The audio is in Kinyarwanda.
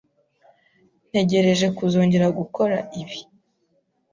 Ntegereje kuzongera gukora ibi.